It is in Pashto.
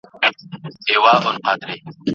محصل د تاریخ سرچینې لولي.